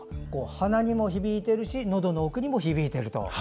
鼻にも響いているしのどの奥にも響いていると。